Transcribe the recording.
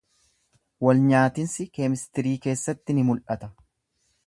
Wal nyaatinsi keemistirii keessatti ni mul'ata.